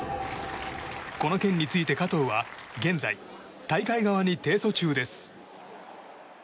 この件について加藤は現在、大会側に提訴中です。